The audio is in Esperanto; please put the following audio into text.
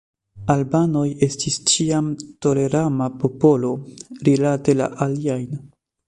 Albanoj estis ĉiam tolerema popolo rilate la aliajn.